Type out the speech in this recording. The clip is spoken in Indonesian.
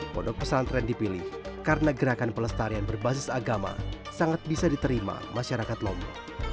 pondok pesantren dipilih karena gerakan pelestarian berbasis agama sangat bisa diterima masyarakat lombok